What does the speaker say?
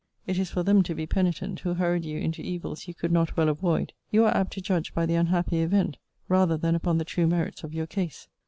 It is for them to be penitent, who hurried you into evils you could not well avoid. You are apt to judge by the unhappy event, rather than upon the true merits of your case.